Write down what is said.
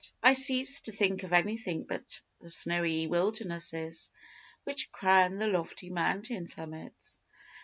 I ceased to think of anything but the snowy wildernesses which crown the lofty mountain summits.